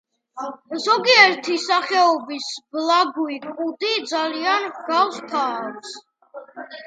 ზოგიერთი სახეობის ბლაგვი კუდი ძალიან ჰგავს თავს.